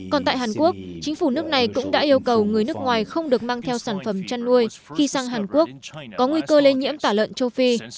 còn tại hàn quốc chính phủ nước này cũng đã yêu cầu người nước ngoài không được mang theo sản phẩm chăn nuôi khi sang hàn quốc có nguy cơ lây nhiễm tả lợn châu phi